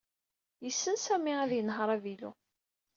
Yessen Sami ad yenheṛ avilu.